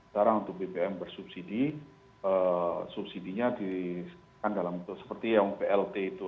cara untuk bbm bersubsidi subsidinya di kan dalam seperti yang plt itu